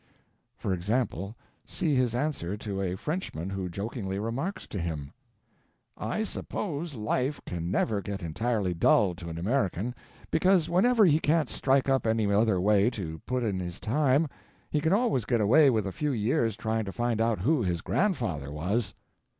] For example: See his answer to a Frenchman who jokingly remarks to him: "I suppose life can never get entirely dull to an American, because whenever he can't strike up any other way to put in his time, he can always get away with a few years trying to find out who his grandfather was."